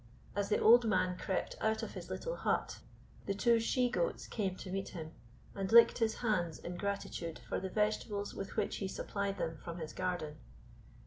As the old man crept out of his little hut, his two she goats came to meet him, and licked his hands in gratitude for the vegetables with which he supplied them from his garden.